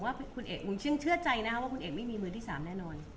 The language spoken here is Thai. ไม่มีค่ะผมเชื่อใจนะครับว่าคุณเอกไม่มีมือที่๓แน่นอน